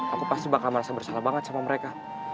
aku pasti bakal merasa bersalah banget sama mereka